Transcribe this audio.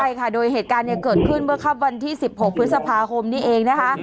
ใช่ค่ะโดยเหตุการณ์เนี่ยเกิดขึ้นเมื่อครับวันที่๑๖พฤษภาคมนี้เองนะคะ